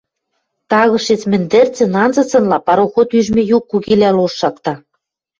Тагышец мӹндӹрцӹн, анзыцынла, пароход ӱжмӹ юк кугилӓ лош шакта.